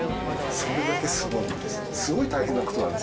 それだけすごいんです。